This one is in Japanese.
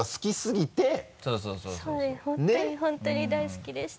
本当に本当に大好きでした。